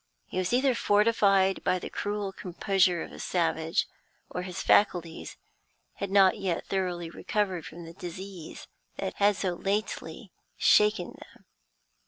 He was either fortified by the cruel composure of a savage, or his faculties had not yet thoroughly recovered from the disease that had so lately shaken them.